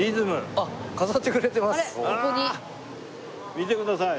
見てください。